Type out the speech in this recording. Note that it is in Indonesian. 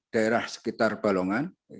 daerah sekitar balongan